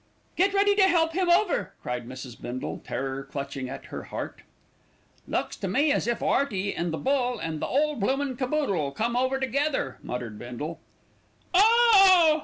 "Get ready to help him over," cried Mrs. Bindle, terror clutching at her heart. "Looks to me as if 'Earty and the bull and the whole bloomin' caboodle'll come over together," muttered Bindle. "Oooooh!"